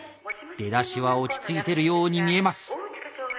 出だしは落ち着いているように見えます。